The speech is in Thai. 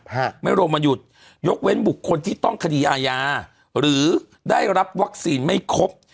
ไม่รวมวันหยุดยกเว้นบุคคลที่ต้องคดีอาญาหรือได้รับวัคซีนไม่ครบ